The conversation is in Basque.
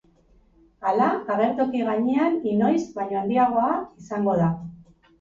Hala, agertoki gainean inoiz baino handiagoa izango da.